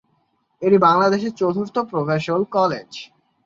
এটি বাংলাদেশের চতুর্থ প্রকৌশল কলেজ।